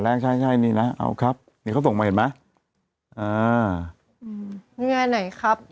แรกช่ายช่ายนี่นะเอาครับเขาส่งมาเห็นไหมอ่านี่ไงไหนครับ